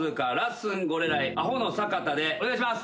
お願いします。